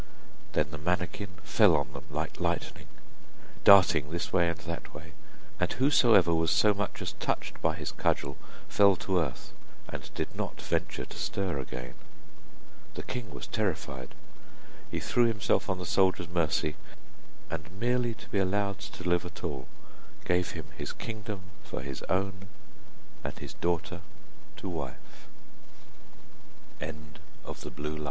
Then the manikin fell on them like lightning, darting this way and that way, and whosoever was so much as touched by his cudgel fell to earth, and did not venture to stir again. The king was terrified; he threw himself on the soldier's mercy, and merely to be allowed to live at all, gave him his kingdom for his own, and his daughter